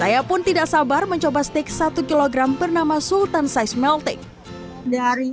walaupun tidak sabar mencoba stik satu kg bernama sultan size melting dari